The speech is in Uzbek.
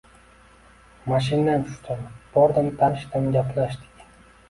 Mashindan tushdim, bordim, tanishdim. Gaplashdik.